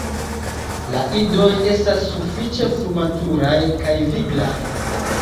La idoj estas sufiĉe frumaturaj kaj viglaj.